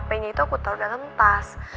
kering banget kalo hpnya itu aku taruh dalam tas